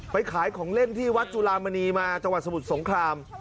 ขายของเล่นที่วัดจุลามณีมาจังหวัดสมุทรสงคราม